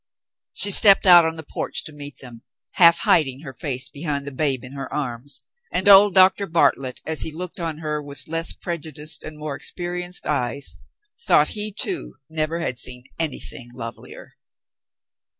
She stepped out on the porch to meet them, half hiding her face behind the babe in her arms, and old Dr. Bartlett, as he looked on her with less prejudiced and more expe rienced eyes, thought he too never had seen anything lovelier.